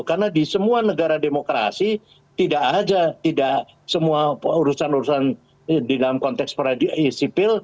karena di semua negara demokrasi tidak saja semua urusan urusan di dalam konteks sipil